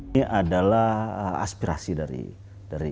ini adalah aspirasi dari kader pan